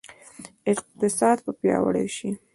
اقتصاد به پیاوړی شي؟